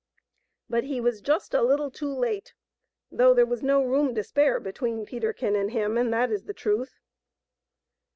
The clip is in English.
But he was just a little too late, though there was no room to spare between Peterkin and him, and that is the truth.